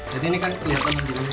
jadi ini kan kelihatan langgirnya